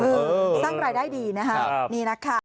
สร้างรายได้ดีนะครับ